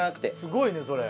すごいねそれ。